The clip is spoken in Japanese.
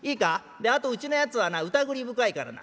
であとうちのやつはなうたぐり深いからな